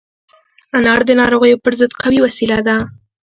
انار د ناروغیو پر ضد قوي وسيله ده.